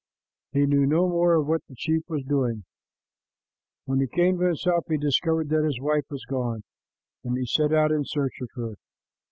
He knew no more of what the chief was doing. When he came to himself, he discovered that his wife was gone, and he set out in search of her.